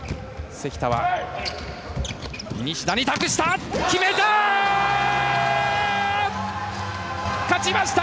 関川、西田に託した。